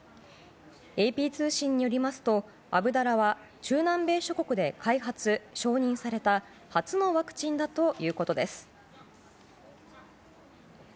ＡＰ通信によりますとアブダラは中南米諸国で開発・承認された初のワクチンだということです。